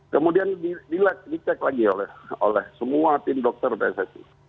kemudian di check lagi oleh semua tim dokter pssi